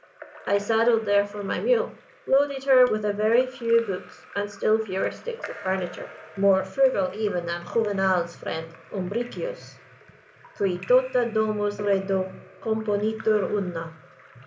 I saddled, therefore, my mule; loaded her with a very few books and still fewer sticks of furniture; more frugal even than Juvenal's friend Umbricius, cui tota domus redo, componitur una.